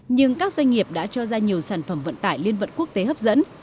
nhưng các doanh nghiệp đã cho ra nhiều sản phẩm vận tải liên vận quốc tế hấp dẫn